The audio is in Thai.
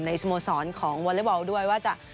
ในสโมสรของวอเลเวิลด้วยว่าจะ